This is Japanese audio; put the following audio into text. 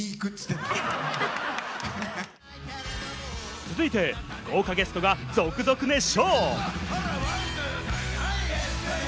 続いて豪華ゲストが続々熱唱。